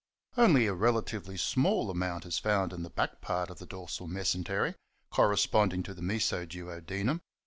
Only a rela tively small amount is found in the back part of the dorsal mesentery, corresponding to the meso duodenum.